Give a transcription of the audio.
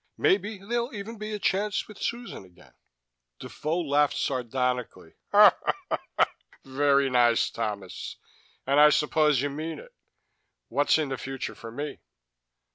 Maybe there'll even be a chance with Susan again." Defoe laughed sardonically. "Very nice, Thomas. And I suppose you mean it. What's in the future for me?"